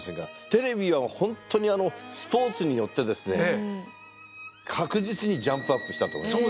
テレビは本当にスポーツによってですね確実にジャンプアップしたと思います。